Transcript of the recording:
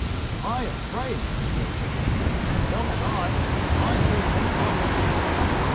"I afraid!" ejaculated the young man; "not I! I should think not, indeed!